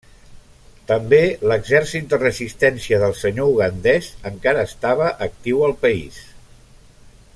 També l'Exèrcit de Resistència del Senyor ugandès encara estava actiu al país.